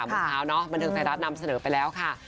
เมื่อเช้าเนอะบรรเทิงไซรัสนำเสนอไปแล้วค่ะ